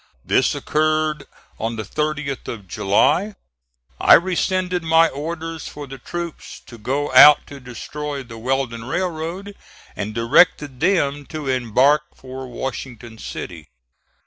This occurred on the 30th of July. I rescinded my orders for the troops to go out to destroy the Weldon Railroad, and directed them to embark for Washington City.